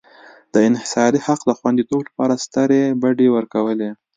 د انحصاري حق د خوندیتوب لپاره سترې بډې ورکولې.